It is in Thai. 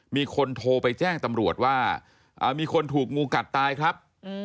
มีคนโทรไปแจ้งตำรวจว่ามีคนถูกงูกัดตายครับ